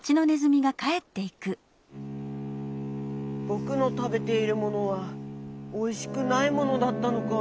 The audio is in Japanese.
「ぼくのたべているものはおいしくないものだったのか。